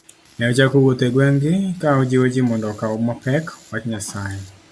Ne ochako wuotho e gweng'gi ka ojiwo ji mondo okaw mapek wach Nyasaye